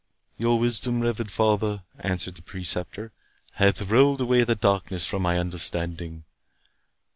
"Your wisdom, reverend father," answered the Preceptor, "hath rolled away the darkness from my understanding.